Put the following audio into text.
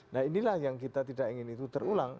nah inilah yang kita tidak ingin itu terulang